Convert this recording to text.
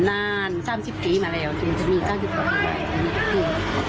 ตั้ง๓๐ปีมาแล้วจึงจะมี๓๖ปีกว่าจึงจะมีแบบนี้